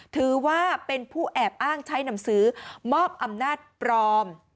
ถือว่าเป็นผู้แอบอ้างใช้หนังสือมอบอำนาจปลอม